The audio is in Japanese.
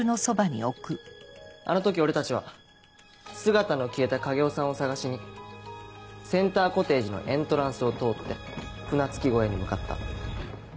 あの時俺たちは姿の消えた影尾さんを捜しにセンターコテージのエントランスを通って舟着小屋に向かった。